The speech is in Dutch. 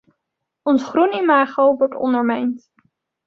Ons groen imago wordt ondermijnd.